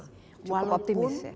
cukup optimis ya